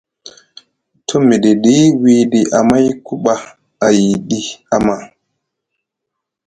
Te miɗiɗi wiɗi Amayku ɓa ayɗi ama.